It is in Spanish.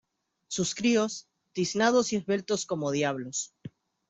sus críos, tiznados y esbeltos como diablos